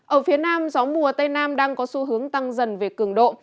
ở phía nam gió mùa tây nam đang có xu hướng tăng dần về cường độ